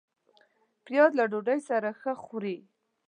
پیاز له ډوډۍ سره ښه خوري